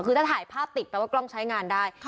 คือถ้าถ่ายภาพติดแปลว่ากล้องใช้งานได้